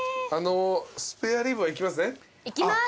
スペアリブはいきますね。